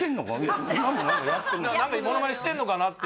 何かモノマネしてんのかなって